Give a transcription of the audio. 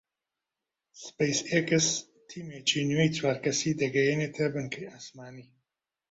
سپەیس ئێکس تیمێکی نوێی چوار کەسی دەگەیەنێتە بنکەی ئاسمانی